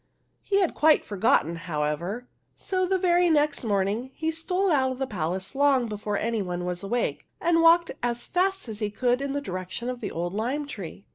He had quite for gotten, however; so the very next morning he stole out of the palace long before any one was awake, and walked as fast as he could in the direction of the old lime tree.